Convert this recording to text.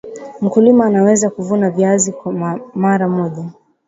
mkulima anaweza kuvuna viazi kwa mara moja